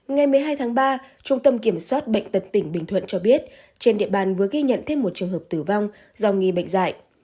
ngày một mươi hai tháng ba trung tâm kiểm soát bệnh tật tỉnh bình thuận cho biết trên địa bàn vừa ghi nhận thêm một trường hợp tử vong do nghi bệnh dại